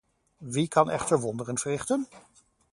Wie kan echter wonderen verrichten?